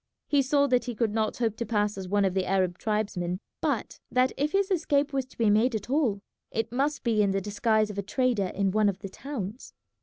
He saw that he could not hope to pass as one of the Arab tribesmen, but that if his escape was to be made at all it must be in the disguise of a trader in one of the towns.